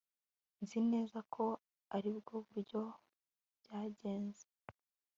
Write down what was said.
Nzi neza ko aribwo buryo byagenze